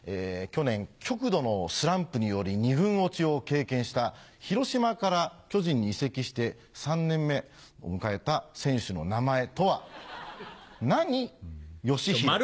去年極度のスランプにより２軍落ちを経験した広島から巨人に移籍して３年目を迎えた選手の名前とは何佳浩。